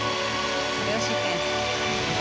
コレオシークエンス。